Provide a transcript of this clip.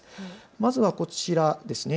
まずはこちらですね。